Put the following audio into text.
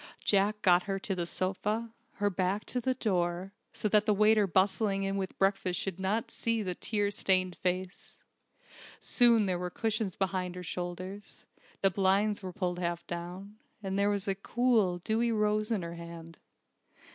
Jack got her to the sofa, her back to the door, so that the waiter bustling in with breakfast should not see the tear stained face. Soon there were cushions behind her shoulders; the blinds were pulled half down; there was a cool, dewy rose in her hand.